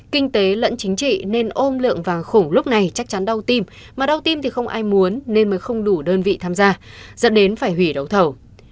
kinh tế lẫn chính trị nên ôm lượng vàng khủng lúc này chắc chắn đau tim mà đau tim thì không ai muốn nên mới không đủ đơn vị tham gia dẫn đến phải hủy đấu thầu